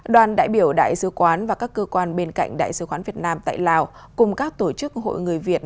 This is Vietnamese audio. đoàn đại biểu đại sứ quán và các cơ quan bên cạnh đại sứ quán việt nam tại lào cùng các tổ chức hội người việt